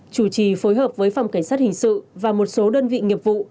chủ trì phối hợp với phòng cảnh sát hình sự và một số đơn vị nghiệp vụ